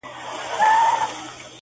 رسنۍ او پوليس صحنه ننداره کوي,